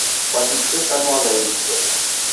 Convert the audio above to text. Kwaki kuseshanue iridia?